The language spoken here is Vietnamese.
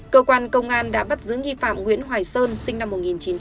cơ quan công an đã bắt giữ nghi phạm nguyễn hoài sơn sinh năm một nghìn chín trăm tám mươi